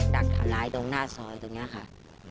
ดักทำร้ายตรงหน้าซอยตรงนี้ค่ะ